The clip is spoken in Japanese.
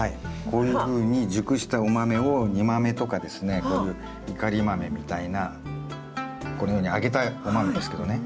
こういうふうに熟したお豆を煮豆とかですねこういういかり豆みたいなこのように揚げたお豆ですけどね。